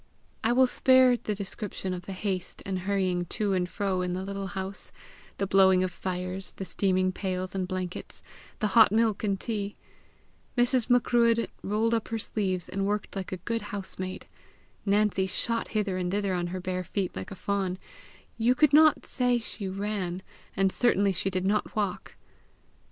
I will spare the description of the haste and hurrying to and fro in the little house the blowing of fires, the steaming pails and blankets, the hot milk and tea! Mrs. Macruadh rolled up her sleeves, and worked like a good housemaid. Nancy shot hither and thither on her bare feet like a fawn you could not say she ran, and certainly she did not walk.